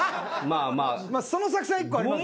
その作戦は１個あります。